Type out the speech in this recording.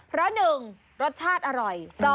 เพราะ๑รสชาติอร่อย